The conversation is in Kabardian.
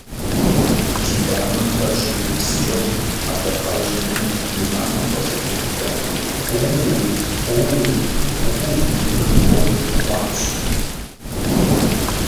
И дамэхэр щӀиупскӀэу адакъэжьри и макъым къызэрихькӀэ: Ӏуу Ӏуу Ӏуу! – жиӀэу Ӏуащ.